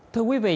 thưa quý vị